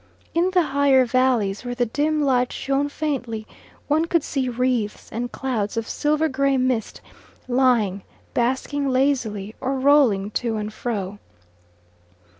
In the higher valleys where the dim light shone faintly, one could see wreaths and clouds of silver gray mist lying, basking lazily or rolling to and fro.